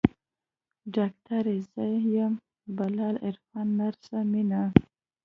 ډاکتر يې زه يم بلال عرفان نرسه مينه.